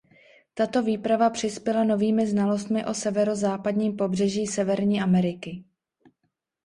Tato výprava přispěla novými znalostmi o severozápadním pobřeží Severní Ameriky.